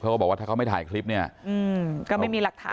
เขาก็บอกว่าถ้าเขาไม่ถ่ายคลิปเนี้ยอืมก็ไม่มีหลักฐานอะไร